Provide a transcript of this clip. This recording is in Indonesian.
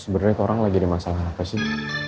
sebenernya keorang lagi ada masalah apa sih